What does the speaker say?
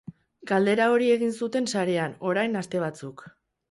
Galdera hori egin zuten sarean, orain aste batzuk.